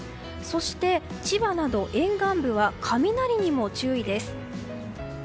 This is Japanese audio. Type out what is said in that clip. そして、千葉など沿岸部は雷にも注意です。